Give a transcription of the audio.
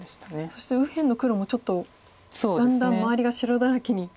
そして右辺の黒もちょっとだんだん周りが白だらけに。